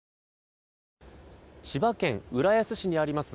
千葉県浦安市にあります